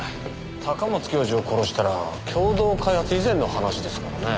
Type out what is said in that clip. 高松教授を殺したら共同開発以前の話ですからね。